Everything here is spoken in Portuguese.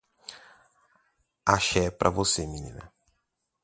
Axé pra você menina.